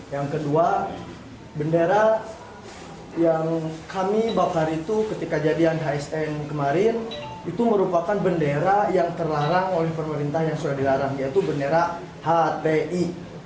yang kedua bendera yang kami bakar itu ketika jadian hsn kemarin itu merupakan bendera yang terlarang oleh pemerintah yang sudah dilarang yaitu bendera hti